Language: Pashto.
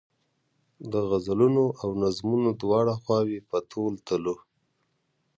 د غزلونو او نظمونو دواړه خواوې په تول تلو.